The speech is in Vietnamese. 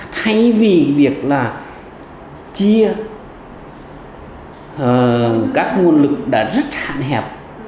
thay vì việc là chia các nguồn lực đã rất hạn hẹp